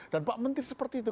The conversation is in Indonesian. dan pak menteri seperti itu